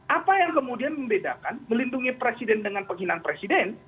apa yang kemudian membedakan melindungi presiden dengan penghinaan presiden